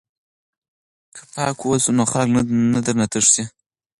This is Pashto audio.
که پاک اوسو نو خلک نه درنه تښتي.